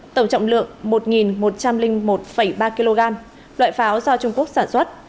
tổng trọng lượng một một trăm linh một ba kg loại pháo do trung quốc sản xuất